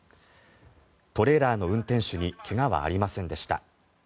トレーラーの運転手に怪我はありませんでした。